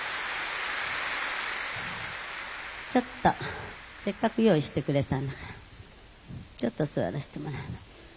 「ちょっとせっかく用意してくれたんだからちょっと座らせてもらうわ。